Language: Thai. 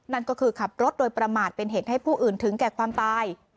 นั่นก็คือขับรถโดยประมาทเป็นเหตุให้ผู้อื่นถึงแก่ความตาย